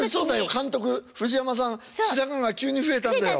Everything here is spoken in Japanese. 監督藤山さん白髪が急に増えたんだよ。